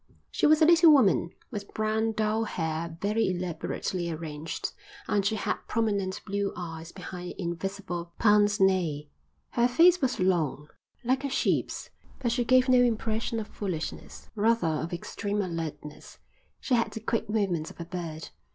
She was a little woman, with brown, dull hair very elaborately arranged, and she had prominent blue eyes behind invisible pince nez. Her face was long, like a sheep's, but she gave no impression of foolishness, rather of extreme alertness; she had the quick movements of a bird.